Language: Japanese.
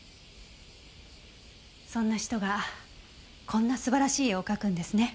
そんな人がこんな素晴らしい絵を描くんですね。